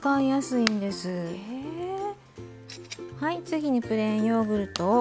次にプレーンヨーグルトを。